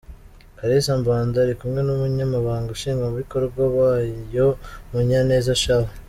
Kalisa Mbanda ari kumwe n’Umunyamabanga Nshingwabikorwa wayo Munyaneza Charles.